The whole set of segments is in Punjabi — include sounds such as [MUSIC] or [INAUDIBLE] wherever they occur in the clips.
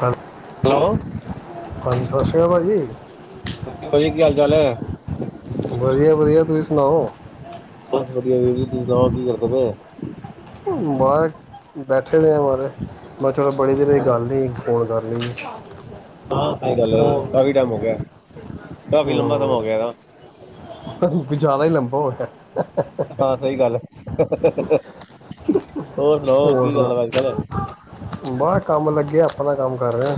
ਹਾਂ- ਲੋ ਹਾਂਜੀ ਸਤਿ ਸ਼੍ਰੀ ਅਕਾਲ ਭਾਜੀ ਸਤ੍ਰੀ ਜੀ ਕੀ ਹਾਲ ਚਾਲ ਹੈ ਵਧੀਆ ਵਧੀਆ ਤੁਸੀਂ ਸੁਣਾਓ ਬਸ ਵਧਆ ਵੀਰ ਜੀ ਤੁਸੀਂ ਸੁਣਾਓ ਕੀ ਕਰ [UNINTELLIGIBLE] ਕਿਵੇ ਬਸ ਚਲੋ ਬੜੀ ਦੀ ਪਏ ਗੱਲ ਐ ਫੋਨ ਕਰ। [UNINTELLIGIBLE] ਹਾਂ ਸਹੀ ਗੱਲ ਹੋਰ ਕਾਫੀ ਟਾਈਮ ਹੋਗਿਆ ਕਾਫੀ ਲੰਬਾ ਸਮਾਂ ਹੋ ਹਮ, ਗਿਆ। ਹੋਰ, ਹਾਂ ਸਹੀ ਗੱਲ ਹੈ। [UNINTELLIGIBLE] ਹੋਰ ਸੁਣਾਓ ਕੀ ਗੱਲ ਐ ਅੱਜਕਲ, ਬਾਹਰ ਕੰਮ ਲੱਗੇ ਆ ਆਪਣਾ ਕੰਮ ਕਰ ਰਿਹਾ ਆ।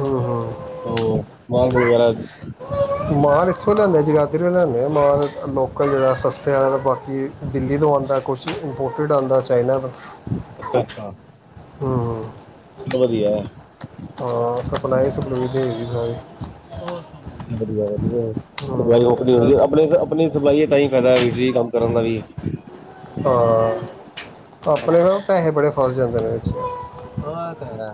ਹੂੰ ਹੂੰ ਮਾਨ ਕੁਲ ਵਰਾ, ਮਾਲ ਇੱਥੋਂ ਲਿਆਂਦੇ ਜਗਾਦਰੀ ਤੋਂ ਲਿਆਂਦੇ ਮਾਰ ਲੋਕਲ ਜਹੜਾ ਸਸਤੇ ਵਾਲ ਬਾਕੀ ਦਿੱਲੀ ਤੋਂ ਆਦਾ ਕੁਛ ਇੰਪੋਰਟਿਡ ਆਦਾ ਚਾਈਨਾ ਤੋਂ ਅੱਛਾ-ਅੱਛਾ, ਹੂੰ, ਵਧੀਆ, ਹਾਂ ਸਪਲਾਈ ਸੁਪਲਈ ਦੇ ਹੈਗੀ ਸਾਰੀ, ਹੋ ਸਭ ਵਧੀਆ-ਵਧੀਆ-ਵਧੀਆ, ਸਫਾਈ ਹੂੰ ਔਕਣੀ ਇਸ ਹੁੰਦੀ ਐ ਤਰ੍ਹਾਂ ਆਪਣੀ ਆਪਣੀ ਸਪਲਾਈ ਤਾਂ ਹੀ ਫਾਇਦਾ ਵੀ ਕੰਮ ਕਰਨ ਦਾ ਵੀ, ਹਾਂ ਹਾਂ ਆਪਣੇ ਪੈਸੇ ਬੜੇ ਫਸ ਜਾਂਦੇ ਨੇ ਵਿੱਚ, ਉਹ ਤਾਂ ਹੈ।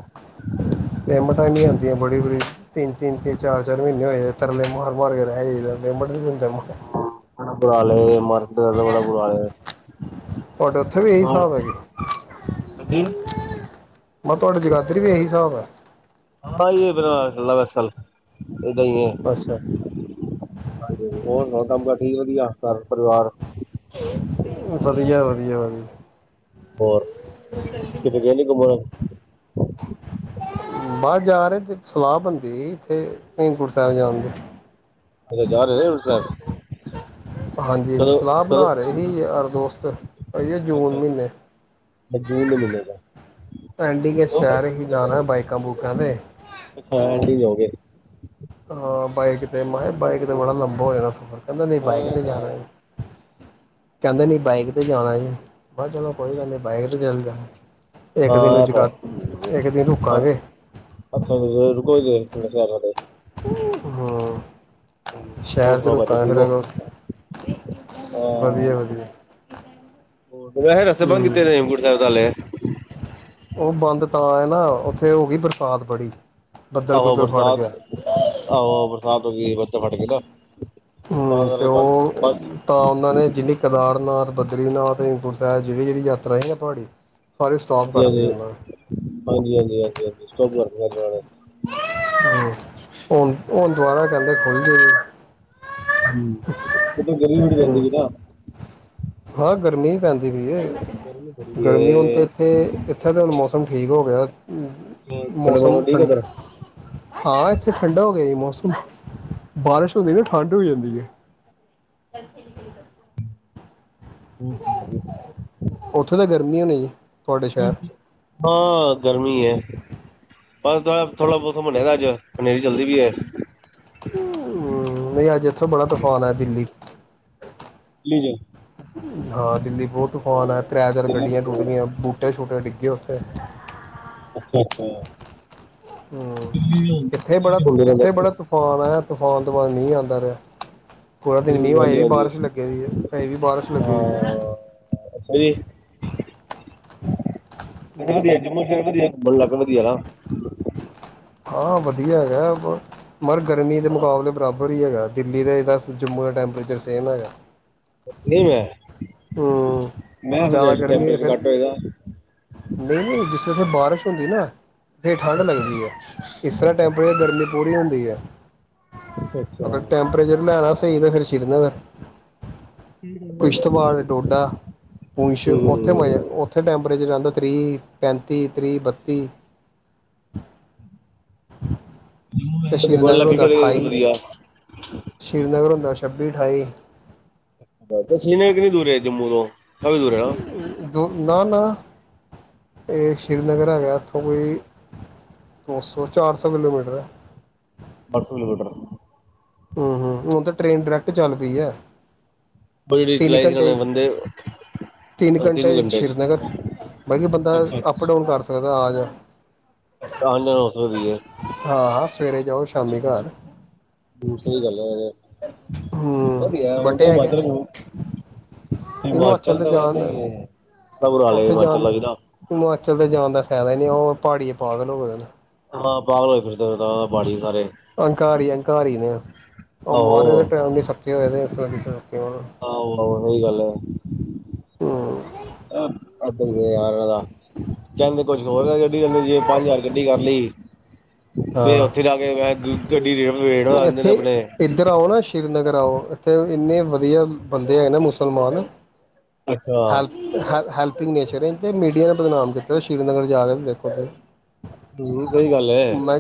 ਪੇਮੈਂਟਾਂ ਹੈਨੀ ਆਂਦੀਆਂ ਬੜੀ-ਬੜੀ ਤਿੰਨ-ਤਿੰਨ ਚਾਰ-ਚਾਰ ਮਹੀਨੇ ਹੋਏ ਤਰਲੇ ਮਾਰ ਮਾਰ ਕੇ ਰਹਿ ਪੇਮੈਂਟ ਨਹੀਂ ਦਿੰਦੇ। [UNINTELLIGIBLE] ਬੜਾ ਬੁਰਾ ਹਾਲ ਏ, ਤੁਹਾਡੇ ਉੱਥੇ ਵੀ ਇਹੀ ਹਿਸਾਬ ਹੈਗੇ। ਹਾਂਜੀ ਮੈਂ ਕਿਹਾ ਤੁਹਾਡੀ ਜਗਾਦਰੀ ਵੀ ਇਹੀ ਹਿਸਾਬ ਹੈ। ਹਾਂ ਬਸਸਲ, ਏਦਾਂ ਹੀ ਐ ਅੱਛਾ [UNINTELLIGIBLE] ਵਧੀਆ ਘਰ ਪਰਿਵਾਰ, ਵਧੀਆ-ਵਧੀਆ-ਵਧੀਆ, ਹੋਰ, [UNINTELLIGIBLE] ਬਾਹਦ ਜਾ ਰਹੇ ਸਲਾਹ ਬਣਦੀ ਐ ਇੱਥੇ ਹੇਮਕੁੰਟ ਸਾਹਿਬ ਜਾਣ ਦੀ, ਅੱਛਾ ਜਾ ਰਹੇ ਹਾਂਜੀ ਹਾਂਜੀ, ਸਲਾਹ ਕਦੋਂ-ਕਦੋਂ ਬਣਾ ਰਹੇ ਸੀ ਯਾਰ ਦੋਸਤ ਇਹ ਜੂਨ ਅੱਛਾ ਮਹੀਨੇ ਜੂਨ ਦੇ ਮਹੀਨੇ ਦਾ, ਪੈਂਡਿੰਗ ਚ ਕਹਿ ਰਹੇ ਸੀ ਜਾਣਾ ਬਾਈਕਾਂ ਬੁਕ ਕਹਿਦੇ, ਅੱਛਾ ਐਂਡਿੰਗ ਹੋ ਗਏ ਹਾਂ ਬਾਈਕ ਤੇ ਮਾਏ ਬਾਈਕ ਤੇ ਬੜਾ ਲੰਬਾ ਹੋ ਸਫ਼ਰ ਕਹਿੰਦਾ ਨਹੀਂ ਹਾਂ ਬਾਈਕ ਤੇ ਜਾਣਾ ਜ ਕਹਿੰਦੇ ਨੀ ਬਾਈਕ ਤੇ ਜਾਣਾ ਜ ਬਸ ਚਲੋ ਕੋਈ ਗੱਲ ਨੀ ਬਾਈਕ ਤੇ ਚੱਲ ਜਾ ਓਕੇ ਇੱਕ ਦਿਨ ਇਹ ਤਾਂ ਰੁਜਗਾ ਇੱਕ ਦਿਨ ਰੁਕਾਂਗੇ ਕੋਈ ਨਹੀਂ ਹੂੰ ਸ਼ਹਿਰ ਚ ਰੁਕ ਫਿਰ ਅ ਵਧੀਆ ਵਧੀਆ ਹੌਰ ਵੈਸੇ ਰਸਤੇ ਬੰਦ ਕਿਤੇ ਹੂੰ ਨੇ ਹਲੇ ਹੇਮਕੁੰਟ ਸਾਹਿਬ ਦੇ ਉਹ ਬੰਦ ਤਾਂ ਹੈ ਨਾ ਉੱਥੇ ਹੋ ਗਈ ਬਰਸਾਤ ਬੜੀ ਬੱਦਲ ਆਹੋ ਬੁੱਦਲ ਫੜ ਬਰਸਾਤ ਗਿਆ ਆਹੋ ਬ ਬਰਸਾਤ ਹੈ ਗਈ ਬਦਲ ਫਟ ਗਏ ਤਾਂ ਹਮ ਤੇ ਕਰੇ ਬੰਦ ਉਹ ਬੰਦ ਤਾਂ ਉਹਨਾਂ ਨੇ ਜਿੰਨੀ ਕੇਦਾਰਨਾਥ ਬਦਰੀਨਾਥ ਗੁਰ ਸਾ ਜਿਹੜੀਿਹੜ ਯਾਤਰਾ ਸੀਆਂ ਨਾ ਪਹਾੜੀ ਸਾਰੇ ਸਟੋਪ ਹਾਂਜੀ ਕਰਤੀ ਉਹਨਾਂ ਨੇ ਹਾਂਜੀ ਹਾਂਜੀ ਹਾਂਜੀ ਹਜੀ ਸਟੈਪ ਕਰਤੇ [UNINTELLIGIBLE] ਹਮ ਹੁਣ ਹੁਣ ਦੁਬਾਰਾ ਕਰਨਾ ਇਹ ਖੁਲਦੀ ਹਮ ਇਹ ਤਾਂ ਗਲੀ ਬੜੀ ਪਹਦੀ ਹੂੰ ਸੀ ਨਾ ਹਾਂ ਗਰਮੀ ਹੀ ਪੈਂਦੀ ਗਰਮੀ ਬੜੀ ਸੀ ਗਰਮੀ ਹੁਣ ਏ ਤੇ ਇੱਥੇ ਇੱਥੇ ਤਾਂ ਹੁਣ ਮੌਸਮ ਠੀਕ ਹੋ ਗਿਆ ਮੌਸਮ ਠੰਡਾ ਹਾਂ ਇੱਥੇ ਠੰਡਾ ਹੋ ਗਿਆ ਜੀ ਮੌਸਮ [UNINTELLIGIBLE] ਬਾਰਿਸ਼ ਹੁੰਦੀ ਨਾ ਠੰਡ ਹੋ ਜਾਂਦੀ ਹੈ [UNINTELLIGIBLE] [UNINTELLIGIBLE] ਉੱਥੇ ਤਾਂ ਗਰਮੀ ਹੋਣੀ ਜੀ ਤੁਹਾਡੇ ਸ਼ਹਿਰ ਹਾਂ ਗਰਮੀ ਹੈ ਪਰ ਥੋੜਾ ਬਹੁਤ ਮੰਨਿਆ ਦਾ ਅੱਜ ਹਨੇਰੀ ਚਲਦੀ ਵੀ ਹੈ ਹਮ, ਨਹੀਂ ਅੱਜ ਇੱਥੇ ਬੜਾ ਤੂਫਾਨ ਹੈ ਦਿੱਲੀ ਜੀ ਜੀ ਹਾਂ ਦਿੱਲੀ ਬਹੁਤ ਤੂਫਾਨ ਟੂਟੇ ਡਿੱਗਗੇ ਉੱਥੇ ਅੱਛਾ ਅੱਛਾ ਹਮ ਇੱਥੇ ਬੜਾ ਹੁੰਦੇ ਰਹਿੰਦਾ ਇੱਥੇ ਬੜਾ ਤੂਫਾਨ ਆਆ ਤੂਫਾਨ ਤੁਫਾਨ ਨਹੀਂ ਆਉਦਾ ਰਿਹਾ [UNINTELLIGIBLE] ਦਿਨ ਮੀ ਹਮ, ਅਜਂ ਹਾਂਜੀ ਵੀ ਹਾਂਜੀ ਬਾਰਿਸ਼ ਲੱਗੇ ਦੀ ਅਜਂ ਵੀ ਬਾਰਿਸ਼ ਲੱਗੀ ਹਾਂ ਦੀ ਹੈ ਅੱਛਾ ਜੀ ਵਧੀਆ ਜੰਮੂ ਸ਼ਹਿਰ ਵਧੀਆ ਮਨ ਲ ਕੇ ਵਧੀਆ ਨਾ ਹਾਂ, ਵਧੀਆ ਹੈਗਾ। ਮਗਰ ਗਰਮੀ ਦੇ ਮੁਕਾਬਲੇ ਬਰਾਬਰ ਹੀ ਹੈਗਾ। ਦਿੱਲੀ ਦੇ ਦਸ ਜਮੂ ਦਾ ਟੈਂਪਰੇਚਰ ਸੇਮ ਹੈਗਾ। ਬਸਲੀਮ ਹੈ। ਹੂੰ। ਮੈਂ ਸਮਝਿਆ ਜ਼ਿਆਦਾ ਗਰਮੀ ਹੈ ਟੈਂਪਰੇਚਰ ਫਿਰ ਘੱਟ ਹੋਏਗਾ ਨਹੀਂ-ਨਹੀਂ ਜਿਸੱਥੇ ਬਾਰਿਸ਼ ਹੁੰਦੀ ਨਾ। ਫੇਰ ਅੱਛਾ ਠੰਢ ਅੱਛਾ ਲੱਗਦੀ ਹੈ, ਇਸ ਤਰ੍ਹਾਂ ਅੱਛਾ ਟੈਂਪਰੇਚਰ ਗਰਮੀ ਪੂਰੀ ਹੁੰਦੀ ਹੈ। ਅੱਛਾ ਅੱਛਾ ਅਗਰ ਟੈਂਪਰੇਚਰ ਲੈਣਾ ਸਹੀ ਤਾਂ, ਫਿਰ [UNINTELLIGIBLE] ਕਿਸ਼ਤਵਾੜ, ਡੋਡਾ, ਪੁੰਛ ਉੱਥੇ ਮਜ਼ਾ ਉੱਥੇ ਟੈਂਪ ਚਦਾ ਤ੍ਰੀ- ਪੈਂਤੀ, ਤ੍ਰੀ, ਬੱਤੀ ਤੇ, ਹੂੰ ਬਣ ਸ਼੍ਰੀਨਗਰ ਲੱਗ ਹੁੰਦਾ ਅਠਾਈ ਵਧੀਆ ਸ੍ਰੀਨਗਰ ਹੁੰਦਾ ਛੱਬੀ, ਅਠਾਈ ਸ਼ੀਨਗਰ ਕਿੰਨੀ ਦੂਰ ਹੈ ਜੰਮੂ ਤੋਂ? ਕਾਵੀ ਦੂਰ ਹੈ, ਨਾ। ਨਾ-ਨਾ ਇਹ ਸ਼੍ਰੀਨਗਰ ਹੈਗਾ, ਇੱਥੋਂ ਕੋਈ ਦੋ ਸੌ, ਚਾਰ ਸੌ ਕਿਲੋਮੀਟਰ ਐ। [INAUDIBLE] ਹੁਣ ਤਾਂ, ਟ੍ਰੇਨ ਡਾਇਰੈਕਟ ਚੱਲ ਪਈ ਹੈ। ਉਹ ਜਿਹੜੀ ਤਿੰਨ ਚਲਾਈ ਸੀ ਇਹਨਾਂ ਨੇ ਬੰਦੇ ਘੰਟੇ-ਤਿੰਨ ਤਿੰਨ ਘੰਟੇ ਚ ਸ੍ਰੀਨਗਰ, ਬਾਤਬ ਬੰਦਾ ਅੱਛਾ ਅੱਪ- ਅੱਛਾ ਡਾਊਨ ਕਰ ਸਕਦਾ, ਆ ਜਾ ਆਣ ਜਾਣ ਹੋ ਸਕਦੀ ਹੈ ਹਾਂ-ਸਵੇਰੇ ਜਾਓ, ਸ਼ਾਮੀ ਘਰ ਹੂੰ, ਸਹੀ ਗੱਲ ਐ, ਤੇ ਹੂੰ ਵਧੀਆ। ਤਾਂ ਬਟੇ ਹੈਗੇ ਹਿਮਾਚਲ- ਹਿਮਾਚਲ ਹਿਮਚਲ ਤੇ ਤਾਂ ਵੈਸ ਜਾਣ ਹੀ ਬੜਾ ਬੁਰਾ ਹਾਲ ਹੈ ਉੱਥੇ ਜਾਣ ਹਿਮਾਚਲ ਦਾ ਵੀ ਨਾ ਹਿਮਾਚਲ ਦੇ ਜਾਣ ਦਾ ਫਾਇਦਾ ਹੀ ਨਹੀਂ, ਪਹਾੜੀ ਪਾਗਲ ਹੋਏ ਨੇ। ਹਾਂ ਪਾਗਲ ਹੋਏ ਫਿਰਦੇ ਬਾੜੀ ਅੰਹਕਾਰੀ -ਅੰਹਕਾਰੀ ਨੇ ਆਹੋ ਮਾਰੇ ਟਾਈਮ ਨੀ ਸ ਹੋਏ ਸ ਹੋ, ਆਹੋ ਆਹੋ ਸਹੀ ਗੱਲ ਹੈ ਹੂੰ ਯਾਰ ਕਹਿੰਦੇ ਕੁ ਹੋਰ ਗੱਡੀ ਜਾਂਦੇ ਜੇ ਪੰਜ- ਹਜ਼ਾਰ ਗੱਡੀ ਕਰ ਲਈ। ਫੇਰ ਹਾਂ ਉੱਥੇ ਜਾ ਕੇ ਮੈਂ ਗੱਡੀ ਰੇ ਵੇਟਦੇ ਨੇ ਇੱਥੇ ਆਪਣੇ ਇੱਧਰ ਆਓ ਨਾ ਸ਼੍ਰੀਨਗਰ ਆਓ ਇੱਥੇ ਇੰਨੇ ਵਧੀਆ ਬੰਦੇ ਹੈਗੇ ਨਾ, ਮੁਸਲਮਾਨ ਅੱਛਾ ਹੈਲਪਿੰਗ ਨੇਚਰ ਮੀਡੀਆ [UNINTELLIGIBLE] ਸ਼੍ਰੀਨਗਰ ਜਾ ਕੇ ਦੇਖੋ ਹਮ ਸਹੀ ਗੱਲ ਹੈ ਮੈ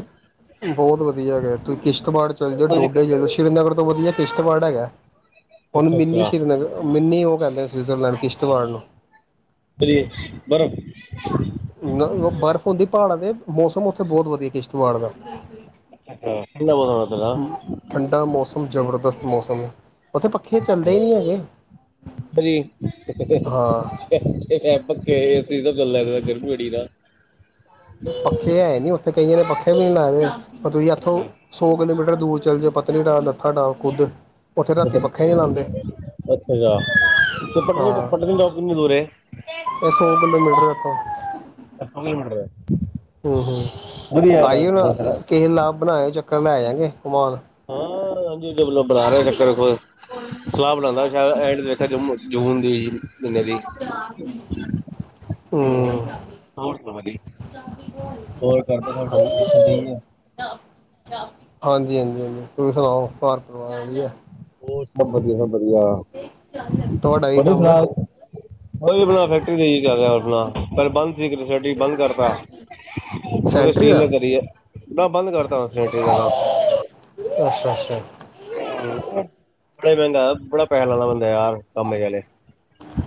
ਬਹੁਤ ਵਧੀਆ ਗਿਆ ਤੁਸੀਂ ਕਿਸ਼ਤਵਾੜ ਚੱਲ ਜਾਓ ਡੋਡੇ ਜਲਓ ਸ਼੍ਰੀਨਗਰ ਤੋਂ ਵਧੀਆ ਕਿਸ਼ਤਵਾੜ ਹੈਗਾ ਹੁਣ ਅੱਛਾ ਮਿੰਨੀ ਅੱਛਾ ਸ਼੍ਰੀਨਗਰ ਮਿੰਨੀ ਉਹ ਕਹਿੰਦੇ ਸਵਿਜ਼ਰਲੈਂਡ ਇਸ਼ਤਵਾੜਨ ਪ੍ਰਏ ਬਰ ਬਰਫ਼ ਹੁੰਦੀ ਪਹਾੜਾਂ ਦੇ ਮੌਸਮ ਉੱਥੇ ਬਹੁਤ ਵਧੀਆ ਕਿਸ਼ਤਵਾੜ ਦਾ ਅੱਛਾ ਅੱਛਾ ਠੰਡਾ ਮੌਸਮ ਜ਼ਬਰਦਸਤ ਮੌਸਮ ਹੈ ਉੱਥੇ ਪੱਖੇ ਚੱਲਦੇ ਹੀ ਨਹੀਂ ਹੈਗੇ ਹਾਂ ਪੱਕੇ ਚੱਲ ਗਰਭ ਬੜੀ ਦਾ ਪੱਖੇ ਹੈ ਨੀ ਉੱਥੇ ਕਈ ਦੇ ਪੱਖੇ ਵੀ ਨਹੀਂ ਲਾਏ ਦੇ ਤੁਸੀਂ ਇੱਥੋਂ ਅੱਛਾ ਸੌ ਕਿਲੋਮੀਟਰ ਦੂਰ ਚੱਲ ਜੇ ਪਤਨੀਟਾਪ ਨੱਥਾ ਟਾਪ ਕੁੱਦ ਅੱਛ ਅੱਛਾ ਪਟਨਾ ਹਾਂ ਸਾਹਿਬ ਕਿੰਨ ਦੂਰੇ ਇਹ ਸੌ ਕਿਲੋਮੀਟਰ ਹਮ ਹਮ ਆਈਓ ਨਾ ਬੜਾ ਸਾਰਾ ਕਿਸੇ ਲਾਭ ਬਣਾਇਓ ਚੱਕਰ ਲੈ ਜਾਗੇ ਘੁਮਾਣ ਹਾਂ ਹਾਂਜੀ ਵੋਂ ਬਣਾ ਰਿਹਾ ਚੱਕਰ ਕੋ ਸਲਾਹ ਬਣਾਉਂਦਾ ਹੈ ਐਂਡ ਦੇਖਿਆ ਜੰਮੂ ਜੁਨ ਦੀ ਮਹੀਨੇ ਦੀ ਹਾ ਹੂੰ [UNINTELLIGIBLE] ਹੋਰ ਕਰਦਾ ਹਾਂਜੀ ਤੁਹਾਡੀ ਹਾਂਜੀ ਹਾਂਜੀ ਹਾਂਜੀ ਤੁਸੀਂ ਸੁਣਾਓ ਘਰ ਪਰਿਵਾਰ ਵਧੀਆ ਹੋਰ ਸਭ ਵਧੀਆ ਸਭ ਵਧੀਆ ਤੁਹਾਡਾ ਕੀ ਕੰਮ ਹੈ [UNINTELLIGIBLE] ਫੈਕਟਰੀ ਦੇ ਉਣਾ ਕੱਲ ਬਦ ਸੀ ਕਸਟੀ ਬੰਦ ਕਰਤਾ ਉਹ ਤੇ ਸੈਂਟਰੀ ਸਟੀਲ ਦਾ ਨੇ ਕਰੀਏ ਨਾ ਬੰਦ ਕਰਦਾ [UNINTELLIGIBLE] ਅੱਛਾ-ਅੱਛਾ, ਬੜੇ ਮਹਿੰਗਾ ਬੜਾ ਪੈਸਾ ਲਾਦਾ ਬੰਦਾ ਯਾਰ ਕੰਮੇ ਵੇਲੇ,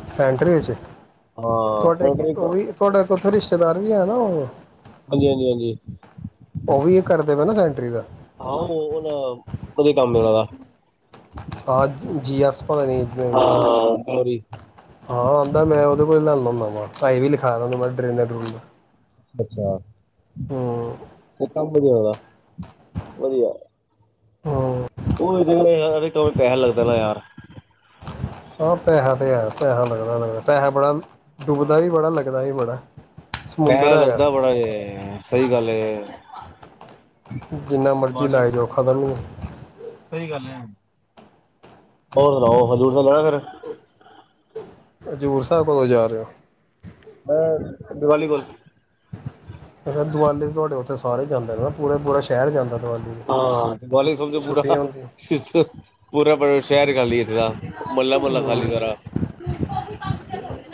ਸੈਂਟਰੀ ਵਿੱਚ ਹਾਂ ਤੁਹਾਡੇ ਸੈਨੇਟਰੀ ਉਹ ਵੀ ਤੁਹਾਡੇ ਉੱਥੇ ਰਿਸ਼ਤੇਦਾਰ ਵੀ ਹੈ ਨਾ ਉਹ ਹਾਂਜੀ-ਹਾਂਜੀ-ਹਾਂਜੀ, ਉਹ ਵੀ ਕਰਦੇ ਪਏ ਨਾ ਸੈਂਟਰੀ ਦਾ ਆਹ ਵਧੀਆ ਕੰਮ ਉਹਨਾਂ ਦਾ, ਜੀ ਐੱਸ, ਪਤਾ ਨੀ ਕਿਥੇ ਹੈਗੇ, ਹਾਂ ਸੋਰੀ ਹਾ ਆਦਾ ਮੈ ਔਦੇ ਕੋਲੋ ਲਿਆਨਾ ਹੁੰਦਾ, ਭਾਈ ਵੀ ਲਿਖਾ [UNINTELLIGIBLE] ਅੱਛਾ-ਅੱਛਾ, ਹੂੰ, ਕੰਮ ਵਧੀਆ-ਵਧੀਆ, ਹੂੰ [UNINTELLIGIBLE] ਪੈਸੇ ਲੱਗਦਾ ਨਾ ਯਾਰ ਆਹ ਪੈਸਾ ਤੇ ਹੈ ਪੈਸਾ ਲੱਗਣਾ ਲੱਗ ਪੈਸਾ ਬੜਾ ਡੁਬਦਾ ਵੀ ਬੜਾ ਲੱਗ ਗਦਾ ਹੀ ਬੜਾ, ਸਮੁੰਦਰ ਪੈਸ ਹੈਗਾ ਲੱਗਦਾ ਬੜਾ ਸਹੀ ਗੱਲ ਹੈ। [UNINTELLIGIBLE] ਜਿੰਨਾ ਮਰਜ਼ੀ ਲਾ ਜਾਓ ਖਤਮ ਨੀ, ਸਹੀ ਗੱਲ ਹੈ ਹੋਰ ਸੁਣਾਓ ਹਜ਼ੂਰ ਤੋਂ ਲਣਾ ਫੇਰ, ਹਜ਼ੂਰ ਸਾਹਿਬ ਕਦੋਂ ਜਾ ਰਹੇ ਹੋ? ਮੈਂ ਦੀਵਾਲੀ ਕੋਲ ਅੱਛਾ ਦਿਵਾਲੀ ਤੁਹਾਡੇ ਉੱਥੇ, ਸਾਰੇ ਜਾਂਦੇ ਨੇ ਪੂਰਾ-ਪੂਰਾ ਸ਼ਹਿਰ ਜਾਂਦਾ। ਦੀਵਾਲੀ ਹਾਂ ਤੇ ਸਮਝੋ ਪੂਰਾ-ਪੂਰਾ। ਛੁੱਟੀਆਂ ਹੁੰਦੀਆਂ ਸ਼ਹਿਰ ਖਾਲੀ ਇਥੇ ਦਾ ਮਹੱਲਾ ਮੁਹੱਲਾ ਹੂੰ ਖਾਲੀ ਸਾਰਾ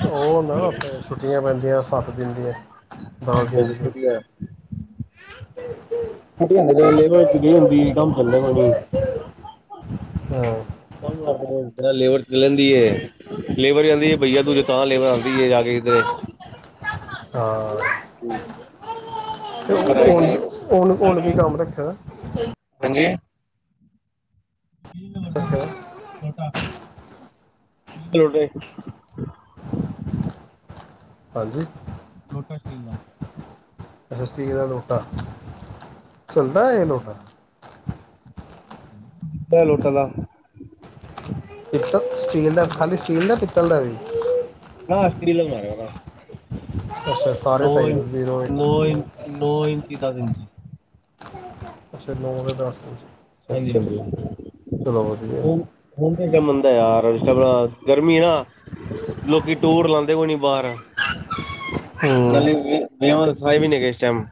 ਉਹ ਹੁੰਦਾ ਨਾ ਉੱਥੇ ਛੁੱਟੀਆਂ ਪੈਂਦੀਆਂ ਸੱਤ ਦਿਨ ਦੀਆਂ ਦਸ ਦਿਨ ਦੀਆਂ [UNINTELLIGIBLE] ਲੇਬਰ ਪੁਰੀ ਹੁੰਦੀ ਕੰਮ ਚੱਲੇਗਾ ਹੱਜੇ। ਹਾਂ ਕੰਮ ਮਤਲਬ ਲੇਬਰ ਚ ਲੈਂਦੀ ਲੇਬਰ ਕਹਿਦੀ ਐ ਬਈਆ ਤੂੰ ਜੇ ਤਾਂ ਲੇਬਰ ਆਂਦੀ ਹੈ ਜਾ ਕੇ ਕਿਧਰੇ ਹਾਂ, ਲੇਬਰ ਆਏਗੀ ਉਝ ਹੁਣ ਕੀ ਕੰਮ ਰੱਖੇ ਦਾ, ਹਾਂਜੀ ਅੱਛਾ, ਲੋਟਾ [UNINTELLIGIBLE] ਹਾਂਜੀ, ਲੋੋਟਸ ਲ ਅੱਛਾ ਸਟੀਲ ਦਾ ਲੋਟਾ ਚੱਲਦਾ ਇਹ ਲੋਟਾ ਲੋਟਲਾ ਪਿੱਤਲ ਸਟੀਲ ਦਾ ਖਾਲੀ ਸਟੀਲ ਦਾ ਪਿੱਤਲ ਦਾ ਵੀ [UNINTELLIGIBLE] ਅੱਛਾ ਸਾਰੇ ਨੌ ਸਾਈਜ਼ ਇੰਚ ਜ਼ੀਰੋ ਇੱਕ ਨੌ ਇੰਚ ਨੌ ਇੰਚੀ ਦਸ ਇੰਚੀ ਅੱਛਾ ਨੌ ਦਾ ਦਸ ਅੱਛਾ ਹ ਲ ਅੱਛਾ ਚਲੋ ਵਧੀਆ ਹੁਣ ਹੁਣ ਸਾਡਾ ਬੰਦਾ ਯਾਰ ਗਰਮੀ ਨਾ ਲੋਕੀ ਟੂਰ ਲਾਉਦੇ ਕੋਣੀ ਬਾਹਰ ਹਮ ਸਏ ਮਨੇ ਕਿਸ ਟਮ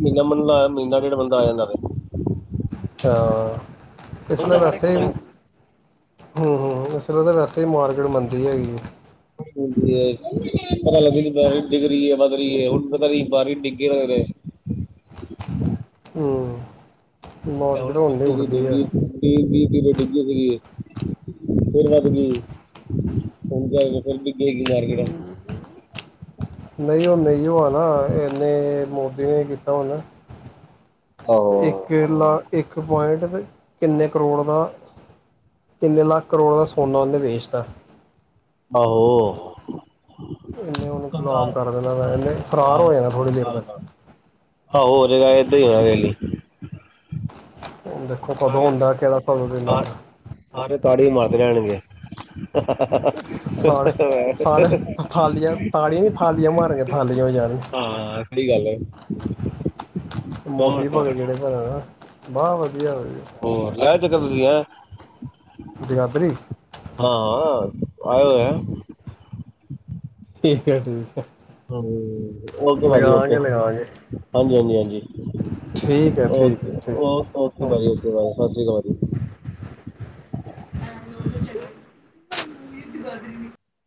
ਮਹੀਨਾਨ ਮਹੀਨਾ ਡੇਢ ਬੰਦਾ ਆ ਜਾਂਦਾ [UNINTELLIGIBLE] ਹਾਂ ਇਸ ਲਈ ਬੰਦਾ ਹਰ ਇੱਕ ਵੈਸੇ ਨੂੰ ਹਮ ਹਮ ਇਸਰ ਤਾਂ ਵੈਸੇ ਹੀ ਮਾਰਕੀਟ ਮੰਨਦੀ ਹੈਗੀ ਹੈ ਪਤਾੱ ਰ ਡਗਰੀਏ ਮ ਹੁਣ ਪਤਾ ਰ ਰ ਡ ਹ ਉਹਨ ਸੀ ਦ ਗ ਗ [UNINTELLIGIBLE] ਤੇ ਡਿੱਗੀ ਫ ਫਿਰ ਵ ਗ ਹ ਕੇ ਫਿਰ ਡਿਗੇਗੀ ਮਾਰਕਿਟ ਨਹੀਂ ਉਹ ਨਹੀਂ ਹੋ ਆ ਨਾ ਇਹਨੇ ਮੋਦੀ ਨੇ ਕੀਤਾ ਹਣ ਆਹੋ ਇੱਕਲਾ ਇੱਕ ਪੁਆਇੰਟ ਕਿੰਨੇ ਕਰੋੜ ਦਾ ਕਿੰਨੇ ਲੱਖ ਕਰੋੜ ਦਾ ਸੋਨਾ ਉਨੇ ਵੇਚਦਾ ਆਹੋ ਇਨੇ ਉਹਨੂੰ ਗੁਲਾਮ ਕੰਗਾਲ ਕਰ ਦੇਿੰਦਾ ਮੈਂ ਇਨੇ ਫਰਾਰ ਹੋ ਕੰਗਾਲ ਜਾਣਾ ਥੋੜ੍ਹੀ ਦੇਰ ਕੰਗਾਲ ਤੱਕ ਆਹੋ ਹੋ ਜਹੇਗਾ ਏਦਾਂ ਹੀ ਹੋ ਲਈ ਦੇਖੋ ਕਦੋਂ ਆੁੰਦਾ ਕਿਹੜਾ ਪਦੋਂ ਦੇਨ ਆਉਂਦਾ ਤੁਹਾਡੀ ਮਰਦ ਰੈਣਗੇ ਸਾ ਸਾ ਥਾਲੀਆਂ ਤੜੀਆਂ ਨੀ ਥਾਲੀਆਂ ਮਾਰੀਆਂ ਥਾਲੀਆਂ ਹੋ ਜਾਣੀਆਂ ਬੜੀ ਗੱਲ ਹੈ ਹੋਰ ਮੋਦੀ ਸੁਣਾਓ ਬਗ ਭਾਜੀ ਜਿਹੜੇ ਭਣੇ ਨਾ ਬਹੁ ਵਧੀ ਵਧੀਆ ਵਧੀਆ ਪ੍ਰਆ ਜਗਾਦਰੀ ਹਾਂ ਆਏ ਹੋਏ ਆ। ਠੀਕ ਐ, ਠੀਕ ਐ। ਹੂੰ, ਓਕੇ ਭਾਜੀ ਓਕੇ। ਲਗਾਵਾਂਗੇ ਹਾਂਜੀ ਹਾਂਜੀ ਹਾਂਜੀ ਠੀਕ ਹੈ ਠੀਕ ਓਕੇ ਹੈ ਓ ਠੀਕ ਓਕੇ ਭਾਜੀ ਓਕੇ ਬਾਏ ਸਤਿ ਸ਼੍ਰੀ ਅਕਾਲ ਜੀ। ਅੱਛ